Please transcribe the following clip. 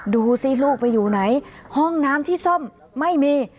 ดูสิลูกไปอยู่ไหนห้องน้ำที่ซ่อมไม่มี